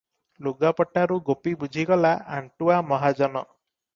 ଲୁଗାପଟାରୁ ଗୋପୀ ବୁଝିଗଲା ଆଣ୍ଟୁଆ ମହାଜନ ।